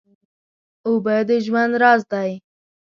اوبه د ژوند راز دی.